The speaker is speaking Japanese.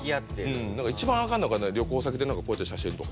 一番アカンのが旅行先でこうやってる写真とか。